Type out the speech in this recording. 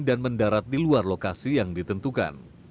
dan mendarat di luar lokasi yang ditentukan